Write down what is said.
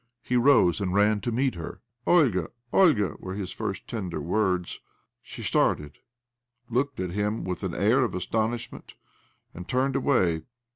He rose and ran to meet her. " Olga, Olga 1 " were his first tender words. She started, looked at him with an air of astonishment, and turned away.